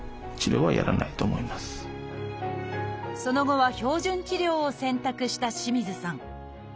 その後は標準治療を選択した清水さん。